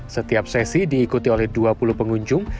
setiap sesi diikuti oleh dua puluh pengunjung